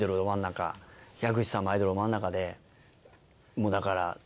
もうだから。